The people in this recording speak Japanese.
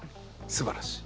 すばらしい。